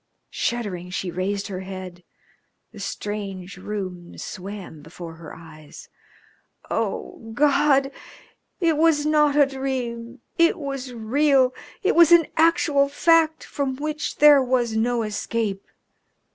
Shuddering, she raised her head. The strange room swam before her eyes. Oh, God! It was not a dream. It was real, it was an actual fact from which there was no escape.